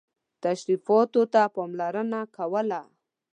تشریفاتو ته پاملرنه کوله.